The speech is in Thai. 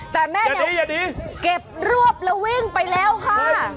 แต่แม่เด็กเก็บรวบแล้ววิ่งไปแล้วค่ะ